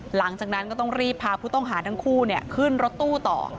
หลังจากนั้นก็ต้องรีบพาผู้ต้องหาทั้งคู่ขึ้นรถตู้ต่อ